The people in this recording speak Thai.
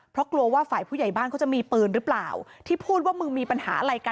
เพราะกลัวว่าฝ่ายผู้ใหญ่บ้านเขาจะมีปืนหรือเปล่าที่พูดว่ามึงมีปัญหาอะไรกัน